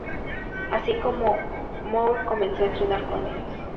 Así fue como Moure comenzó a entrenar con ellos.